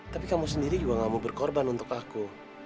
tapi kamu sendiri juga gak mau berkorban untuk aku